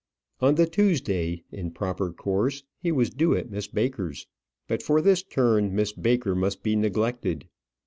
On the Tuesday, in proper course, he was due at Miss Baker's. But for this turn, Miss Baker must be neglected.